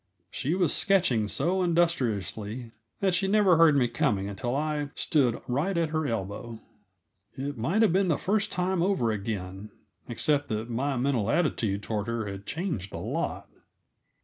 She was sketching so industriously that she never heard me coming until I stood right at her elbow. It might have been the first time over again, except that my mental attitude toward her had changed a lot.